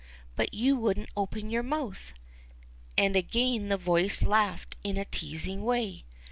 But you wouldn't open your mouth ! And again the voice laughed in a teasing way.